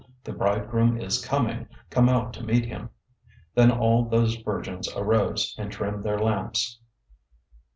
The bridegroom is coming! Come out to meet him!' 025:007 Then all those virgins arose, and trimmed their lamps.